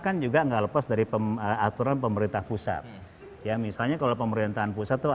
kan juga enggak lepas dari aturan pemerintah pusat ya misalnya kalau pemerintahan pusat tuh